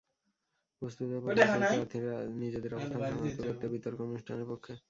বস্তুত, প্রথম সারির প্রার্থীরা নিজেদের অবস্থান সংহত করতে বিতর্ক অনুষ্ঠানের পক্ষে।